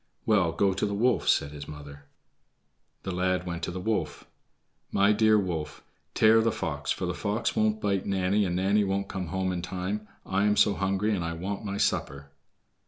"Well, go to the wolf," said his mother. The lad went to the wolf. "My dear wolf, tear the fox, for the fox won't bite Nanny, and Nanny won't come home in time. I am so hungry, and I want my supper."